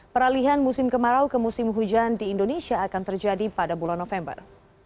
peralihan musim kemarau ke musim hujan di indonesia akan terjadi pada bulan november